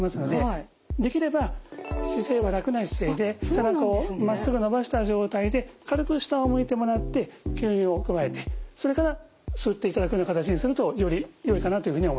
背中をまっすぐ伸ばした状態で軽く下を向いてもらって吸入をくわえてそれから吸っていただくような形にするとよりよいかなというふうには思います。